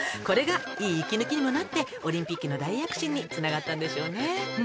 これがいい息抜きにもなってオリンピックの大躍進につながったんでしょうね